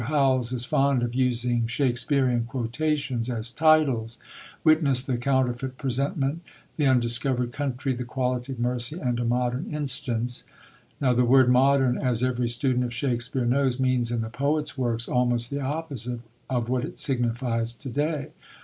Howells is fond of using Shakespearian quotations as titles; witness The Counterfeit Presentment, The Undiscovered Country, The Quality of Mercy, and A Modern Instance. Now the word "modern," as every student of Shakespeare knows, means in the poet's works almost the opposite of what it signifies to day.